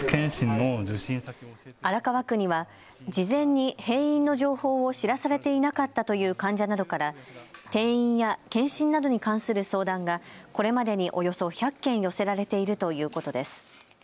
荒川区には事前に閉院の情報を知らされていなかったという患者などから転院や検診などに関する相談がこれまでにおよそ１００件寄せられているということです。